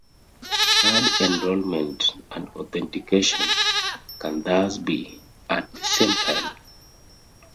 Card enrollment and authentication can thus be at the same time.